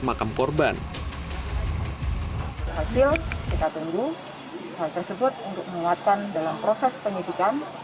makam korban hasil kita tunggu hal tersebut untuk menguatkan dalam proses penyidikan